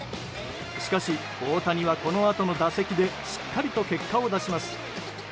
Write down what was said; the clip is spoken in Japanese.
しかし、大谷はこのあとの打席でしっかり結果を出します。